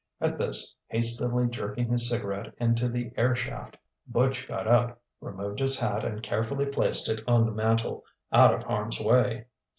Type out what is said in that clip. At this, hastily jerking his cigarette into the air shaft, Butch got up, removed his hat and carefully placed it on the mantel, out of harm's way.